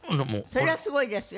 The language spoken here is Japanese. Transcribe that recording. それはすごいですよ。